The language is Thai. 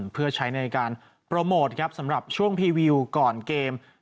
เพื่อใช้ในการโปรโมทครับสำหรับช่วงพรีวิวก่อนเกม